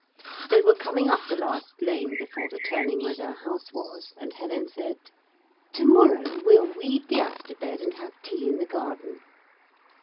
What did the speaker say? They were coming up the last lane before the turning where their house was, and Helen said: 'To morrow we'll weed the aster bed and have tea in the garden.'